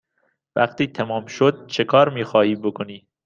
وقتی تمام شد چکار می خواهی بکنی؟